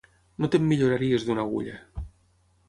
No te'n milloraries d'una agulla.